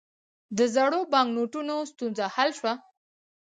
د زړو بانکنوټونو ستونزه حل شوه؟